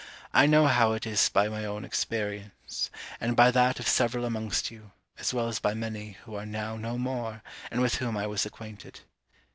I know how it is by my own experience, and by that of several amongst you, as well as by many who are now no more, and with whom I was acquainted.